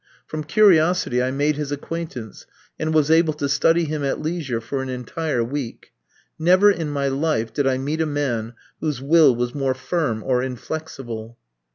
From curiosity I made his acquaintance, and was able to study him at leisure for an entire week. Never in my life did I meet a man whose will was more firm or inflexible.